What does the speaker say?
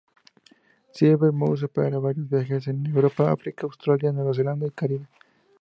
Silver Muse opera varios viajes en Europa, África, Australia, Nueva Zelanda y el Caribe.